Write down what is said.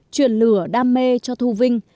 truyền lửa đam mê cho thu vinh